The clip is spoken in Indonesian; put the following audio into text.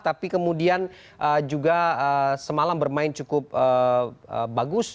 tapi kemudian juga semalam bermain cukup bagus